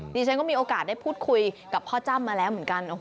ดิฉันก็มีโอกาสได้พูดคุยกับพ่อจ้ำมาแล้วเหมือนกัน